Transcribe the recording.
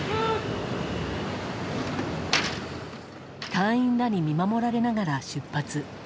隊員らに見守られながら出発。